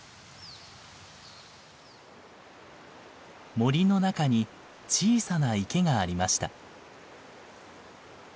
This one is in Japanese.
森の中に小さな池がありました。